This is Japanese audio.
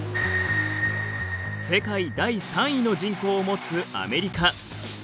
世界第３位の人口を持つアメリカ。